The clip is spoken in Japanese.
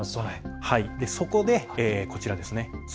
そこで、こちらです。